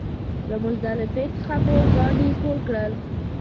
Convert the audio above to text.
له مزدلفې څخه مو کاڼي ټول کړل.